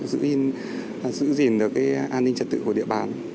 giữ gìn được an ninh trật tự của địa bàn